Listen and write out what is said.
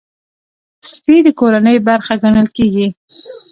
سپي د کورنۍ برخه ګڼل کېږي.